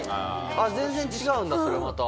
あっ全然違うんだそれまた。